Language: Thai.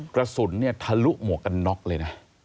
กระสุนเนี่ยทะลุหมวกกันน็อกเลยนะ